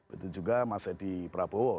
itu juga mas edi prabowo